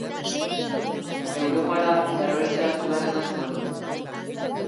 Europara erbesteratu behar izan zuen.